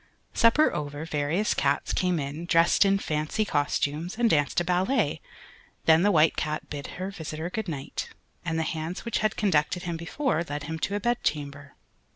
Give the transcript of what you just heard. Supper over, various cats came in, dressed in fancy costumes, and danced a ballet, then the White Cat bid her visitor good night, and the hands which had conducted him before, led him to a bed chamber.